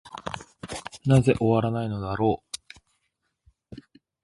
なぜ終わないのだろう。